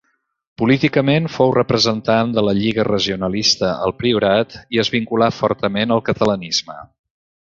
Políticament fou representant de la Lliga Regionalista al Priorat i es vinculà fortament al catalanisme.